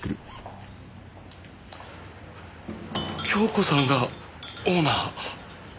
京子さんがオーナー？